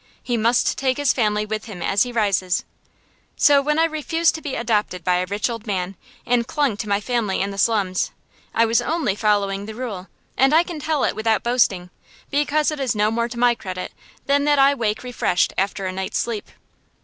He must take his family with him as he rises. So when I refused to be adopted by a rich old man, and clung to my family in the slums, I was only following the rule; and I can tell it without boasting, because it is no more to my credit than that I wake refreshed after a night's sleep.